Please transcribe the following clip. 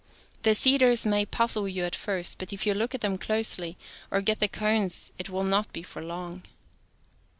fThe cedars may puz zle )uii It first, but if you look at tliLm closely, or get the cones it will not be for long.